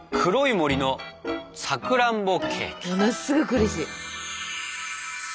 ものすごくうれしい。